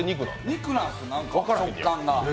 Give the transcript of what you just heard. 肉なんです、食感が。